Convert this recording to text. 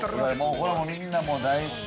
◆これもみんな大好きで。